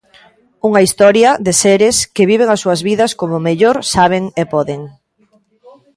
Unha historia de seres que viven as súas vidas como mellor saben e poden.